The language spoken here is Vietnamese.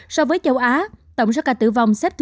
so với châu á tổng số ca tử vong xếp thứ sáu